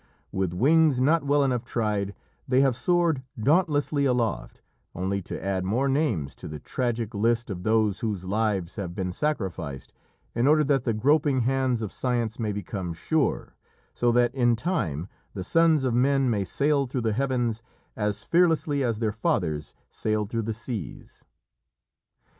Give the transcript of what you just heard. With wings not well enough tried, they have soared dauntlessly aloft, only to add more names to the tragic list of those whose lives have been sacrificed in order that the groping hands of science may become sure, so that in time the sons of men may sail through the heavens as fearlessly as their fathers sailed through the seas.